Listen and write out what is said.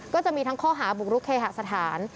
ก็จะมีทั้งข้อหาบุกรุกเคหสถาน